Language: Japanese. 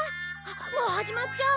もう始まっちゃう。